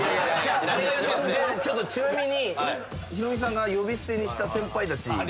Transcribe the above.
ちょっとちなみにヒロミさんが呼び捨てにした先輩たちがあるんですよ。